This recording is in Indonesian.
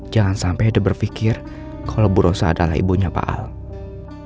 jangan sampai ada berpikir kalau bu rosa adalah ibunya pak al